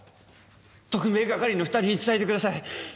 特命係の２人に伝えてください。